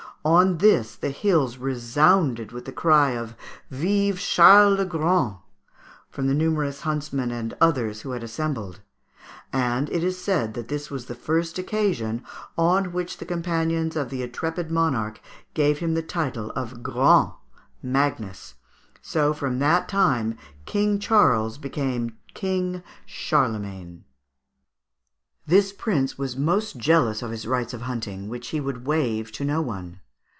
On this the hills resounded with the cry of "Vive Charles le Grand!" from the numerous huntsmen and others who had assembled; and it is said that this was the first occasion on which the companions of the intrepid monarch gave him the title of Grand (Magnus), so from that time King Charles became King Charlemagne. This prince was most jealous of his rights of hunting, which he would waive to no one.